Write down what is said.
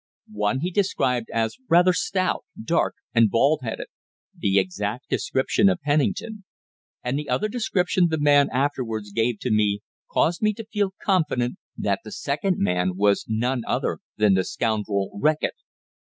One he described as rather stout, dark, and bald headed the exact description of Pennington and the other description the man afterwards gave to me caused me to feel confident that the second man was none other than the scoundrel Reckitt.